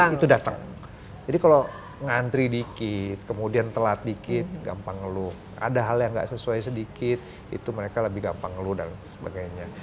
itu datang jadi kalau ngantri dikit kemudian telat dikit gampang ngeluh ada hal yang nggak sesuai sedikit itu mereka lebih gampang ngeluh dan sebagainya